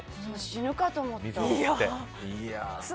死ぬかと思った。